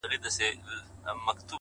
• له وطنه څخه لیري مساپر مه وژنې خدایه,